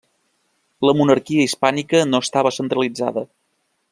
La monarquia hispànica no estava centralitzada.